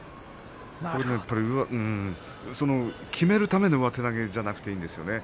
きめるための上手投げじゃなくていいんですよね。